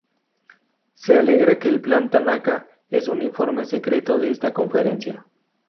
Se alega que el Plan Tanaka es un informe secreto de esta Conferencia.